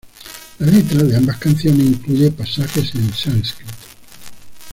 La letra de ambas canciones incluye pasajes en sánscrito.